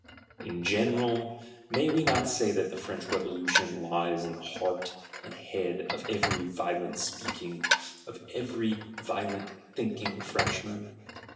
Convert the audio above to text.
In general, may we not say that the French Revolution lies in the heart and head of every violent speaking, of every violent thinking French Man?